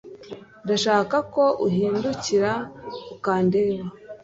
Ndashaka ko uhindukira ukandeba.